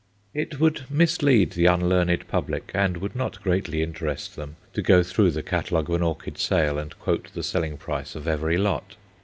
It would mislead the unlearned public, and would not greatly interest them, to go through the catalogue of an orchid sale and quote the selling price of every lot.